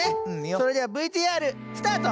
それではＶＴＲスタート。